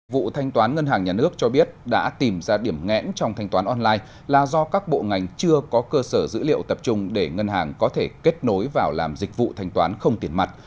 vụ thanh toán ngân hàng nhà nước cho biết đã tìm ra điểm ngẽn trong thanh toán online là do các bộ ngành chưa có cơ sở dữ liệu tập trung để ngân hàng có thể kết nối vào làm dịch vụ thanh toán không tiền mặt